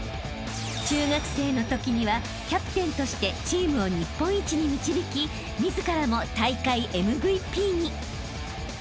［中学生のときにはキャプテンとしてチームを日本一に導き自らも大会ＭＶＰに］